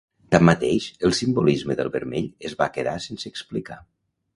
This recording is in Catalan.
Tanmateix, el simbolisme del vermell es va quedar sense explicar.